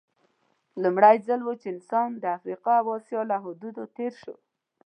لومړی ځل و چې انسان د افریقا او اسیا له حدودو تېر شو.